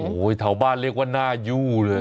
โอ้โหแถวบ้านเรียกว่าหน้ายู่เลย